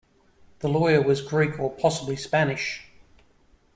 The lawyer was Greek, or possibly Spanish.